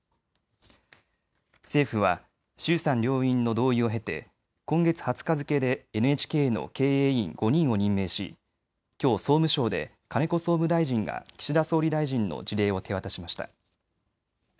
政府は衆参両院の同意を経て今月２０日付けでＮＨＫの経営委員５人を任命しきょう総務省で金子総務大臣が岸田総理大臣の辞令を手渡しました。